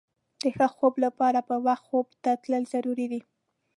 د ښه خوب لپاره پر وخت خوب ته تلل ضروري دي.